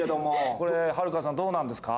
これ悠さんどうなんですか？